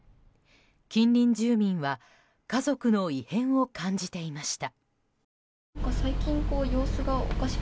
近隣住民は家族の異変を感じていました。